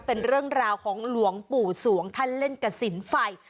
เป็นเรื่องราวของหลวงปู่สวงท่านเล่นกระสินไฟ